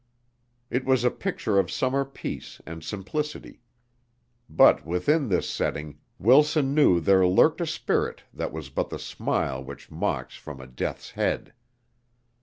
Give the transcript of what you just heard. It was a picture of summer peace and simplicity. But within this setting, Wilson knew there lurked a spirit that was but the smile which mocks from a death's head.